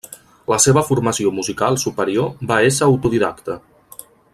La seva formació musical superior va ésser autodidacte.